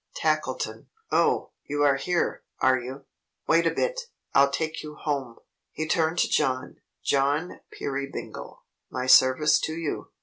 Tackleton "Oh! You are here, are you? Wait a bit. I'll take you home!" He turned to John. "John Peerybingle, my service to you.